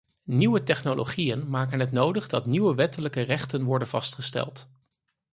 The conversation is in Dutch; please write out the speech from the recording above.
Nieuwe technologieën maken het nodig dat nieuwe wettelijke rechten worden vastgesteld.